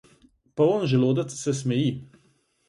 Poln želodec se smeji.